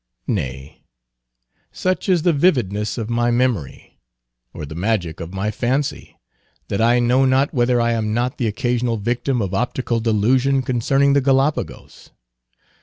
Nay, such is the vividness of my memory, or the magic of my fancy, that I know not whether I am not the occasional victim of optical delusion concerning the Gallipagos.